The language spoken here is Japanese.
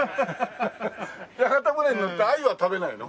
屋形船に乗ってアユは食べないの？